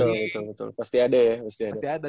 betul betul pasti ada ya pasti ada